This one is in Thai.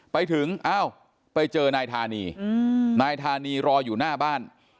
ไปถึงอ้าวไปเจอนายธานีนายธานีรออยู่หน้าบ้าน